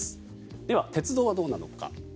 では、鉄道はどうなのか。